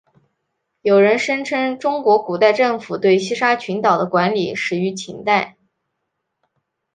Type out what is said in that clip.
有人声称中国古代政府对西沙群岛的管理始于秦代。